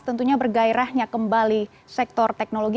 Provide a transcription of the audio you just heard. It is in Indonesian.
tentunya bergairahnya kembali sektor teknologi